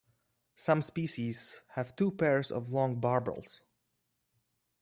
Some species have two pairs of long barbels.